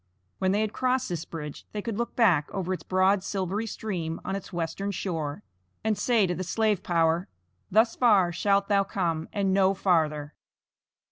When they had crossed this bridge they could look back over its broad silvery stream on its western shore, and say to the slave power: "Thus far shalt thou come, and no farther."